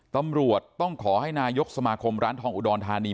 ตำรวจต้องขอให้นายกสมาคมร้านทองอุดรธานี